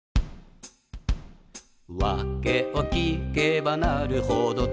「わけを聞けばなるほどと」